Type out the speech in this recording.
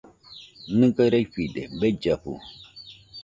Nɨga raifide bellafu.